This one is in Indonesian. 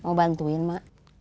mau bantuin mak